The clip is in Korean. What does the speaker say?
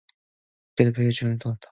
국회의 폐회중에도 또한 같다.